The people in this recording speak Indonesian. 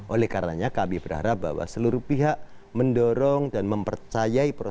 oleh karena kami berharap bahwa seluruh pihak mendorong dan mempercayai proses